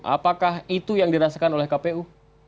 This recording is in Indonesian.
apakah itu yang dirasakan oleh kpu